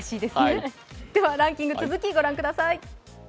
ではランキング続きご覧ください。